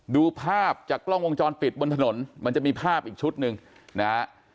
ดูภาพจากกล้องวงจรปิดบนถนนมันจะมีภาพอีกชุดหนึ่งนะฮะ